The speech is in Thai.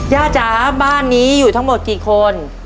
จ๋าบ้านนี้อยู่ทั้งหมดกี่คน